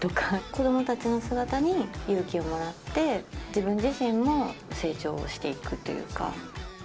子どもたちの姿に勇気をもらって、自分自身も成長していくというか。